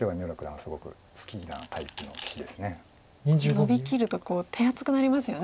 ノビきると手厚くなりますよね。